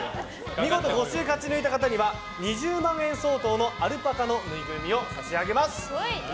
見事５週勝ち抜いた方には２０万円相当のアルパカのぬいぐるみを差し上げます